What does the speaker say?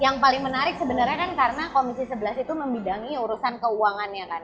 yang paling menarik sebenarnya kan karena komisi sebelas itu membidangi urusan keuangannya kan